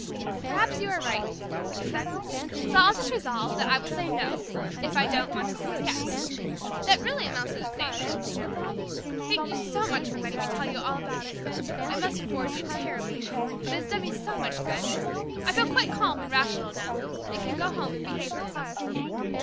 "Perhaps you are right," she said. "So I'll just resolve that I will say 'no' if I don't want to say 'yes.' That really amounts to the same thing, you know. Thank you so much for letting me tell you all about it. It must have bored you terribly, but it has done me so much good. I feel quite calm and rational now, and can go home and behave myself.